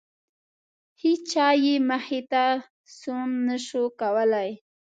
هیچا یې مخې ته سوڼ نه شو کولی.